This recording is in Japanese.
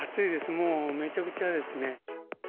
もうめちゃくちゃですね。